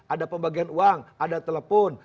ada pembagian uang ada telepon